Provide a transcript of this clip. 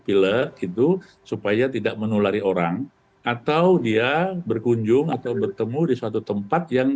pilek itu supaya tidak menulari orang atau dia berkunjung atau bertemu di suatu tempat yang